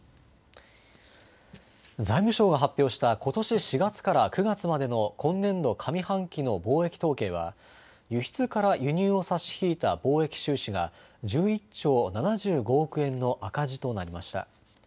財務省が発表したことし４月から９月までの今年度上半期の貿易統計は輸出から輸入を差し引いた貿易収支が１１兆７５億円の赤字となりました。